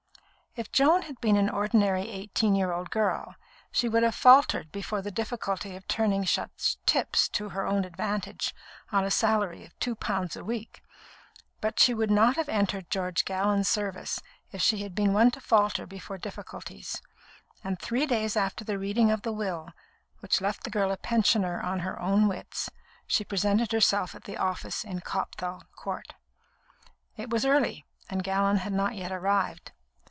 If Joan had been an ordinary eighteen year old girl, she would have faltered before the difficulty of turning such "tips" to her own advantage, on a salary of two pounds a week; but she would not have entered George Gallon's service if she had been one to falter before difficulties; and three days after the reading of the will which left the girl a pensioner on her own wits, she presented herself at the office in Copthall Court. It was early, and Gallon had not yet arrived.